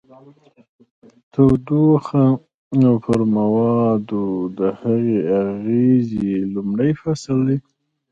تودوخه او پر موادو د هغې اغیزې لومړی فصل دی.